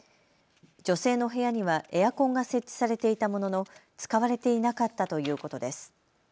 女性の部屋にはエアコンが設置されていたものの使われていなかったということです。